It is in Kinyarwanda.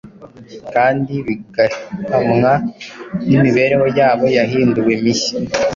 kandi bigahamywa n’imibereho yabo yahinduwe mishya.